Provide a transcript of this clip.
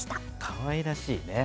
かわいらしいね。